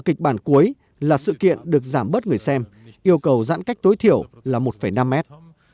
kịch bản cuối là sự kiện được giảm bớt người xem yêu cầu giãn cách tối thiểu là một năm mét